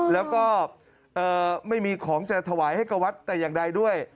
แล้วก็ไม่มีของจะถวายให้กับวัดแต่อย่างใดด้วย